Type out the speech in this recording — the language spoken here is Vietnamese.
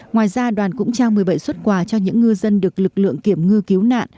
ngoài ra đoàn cũng trao một mươi bảy xuất quà cho những ngư dân được lực lượng kiểm ngư cứu nạn